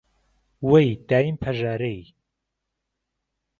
وهی دایم پهژارهی